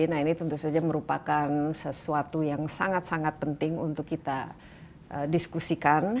nah ini tentu saja merupakan sesuatu yang sangat sangat penting untuk kita diskusikan